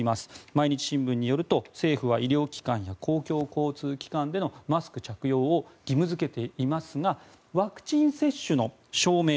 毎日新聞によると、政府は医療機関や公共交通機関でのマスク着用を義務付けていますがワクチン接種の証明